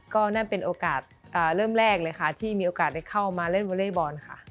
ก็นั่นเป็นโอกาสเริ่มแรกเลยค่ะที่มีโอกาสได้เข้ามาเล่นวอเล็กบอลค่ะ